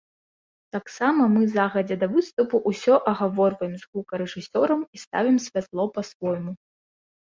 Таксама мы загадзя да выступу ўсё агаворваем з гукарэжысёрам і ставім святло па-свойму.